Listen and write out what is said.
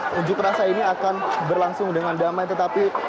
pengunjuk rasa ini akan berlangsung dengan damai tetapi